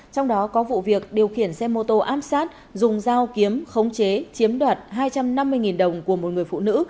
trong đó có vụ việc điều khiển xe mô tô ám sát dùng dao kiếm khống chế chiếm đoạt hai trăm năm mươi đồng của một người phụ nữ